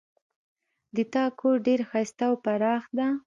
د تا کور ډېر ښایسته او پراخ ده